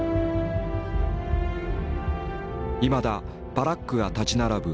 いまだバラックが立ち並ぶ